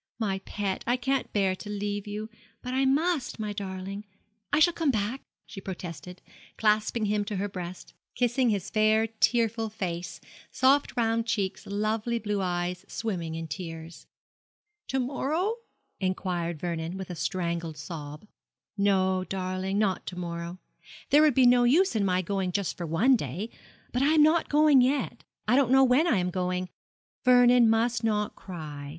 'My pet, I can't bear to leave you, but I must; my darling, I shall come back,' she protested, clasping him to her breast, kissing his fair tearful face, soft round cheeks, lovely blue eyes swimming in tears. 'To morrow?' inquired Vernon, with a strangled sob. 'No, darling, not to morrow; there would be no use in my going just for one day; but I am not going yet I don't know when I am going Vernon must not cry.